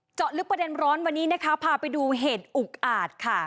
เจาะลึกประเด็นร้อนวันนี้นะคะพาไปดูเหตุอุกอาจค่ะ